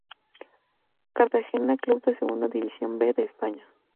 Cartagena, club de Segunda División B de España.